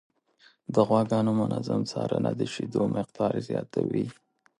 د غواګانو منظم څارنه د شیدو مقدار زیاتوي.